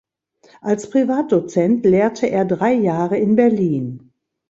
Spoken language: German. Als Privatdozent lehrte er drei Jahre in Berlin.